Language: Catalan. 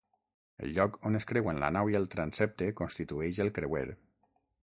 El lloc on es creuen la nau i el transsepte constitueix el creuer.